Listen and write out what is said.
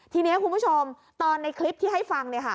ทีนี้คุณผู้ชมตอนในคลิปที่ให้ฟัง